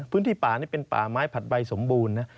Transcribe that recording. พื้นที่ป่านี่เป็นป่าไม้ผัดใบสมบูรณ์นะ